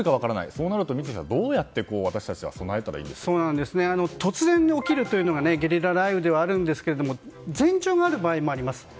そうなると、三井さんどうやって突然起きるというのがゲリラ雷雨ではあるんですが前兆がある場合もあります。